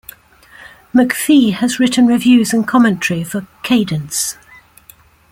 McPhee has written reviews and commentary for "Cadence".